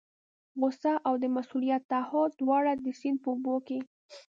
غوسه او د مسؤلیت تعهد دواړه د سیند په اوبو کې.